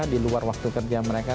di luar waktu kerja mereka